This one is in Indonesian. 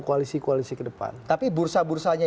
koalisi koalisi ke depan tapi bursa bursanya